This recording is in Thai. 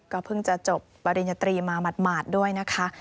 เพิ่งจะจบปริญญาตรีมาหมาดด้วยนะคะ